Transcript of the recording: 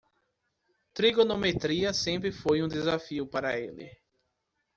Trigonometria sempre foi um desafio para ele.